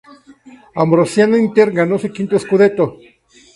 Ambrosiana-Inter ganó su quinto "scudetto".